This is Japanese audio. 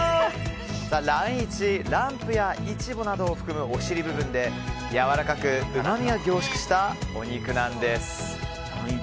ランイチはランプやイチボなどを含むお尻部分でやわらかくうまみが凝縮したお肉なんです。